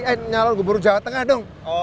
eh nyalon gubernur jawa tengah dong